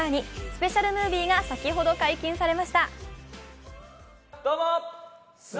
スペシャルムービーが先ほど解禁されました。